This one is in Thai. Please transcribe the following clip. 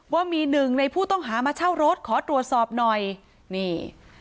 ว่ามีหนึ่งในผู้ต้องหามาเช่ารถขอตรวจสอบหน่อยนี่